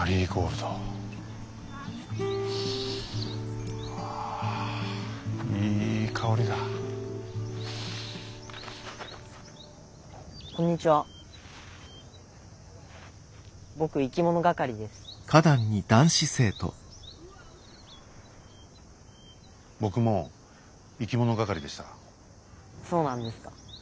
そうなんですか。